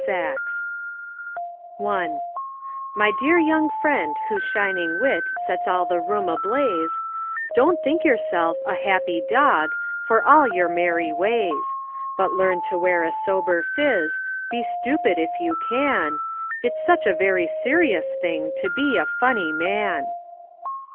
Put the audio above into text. SAXE I My dear young friend, whose shining wit Sets all the room ablaze, Don't think yourself "a happy dog," For all your merry ways; But learn to wear a sober phiz, Be stupid, if you can, It's such a very serious thing To be a funny man!